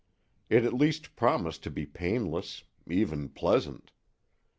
It at least promised to be painless even pleasant.